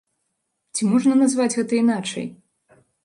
Ці можна назваць гэта іначай?